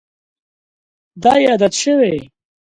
دا یې عادت شوی.